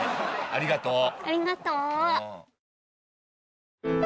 ありがとう。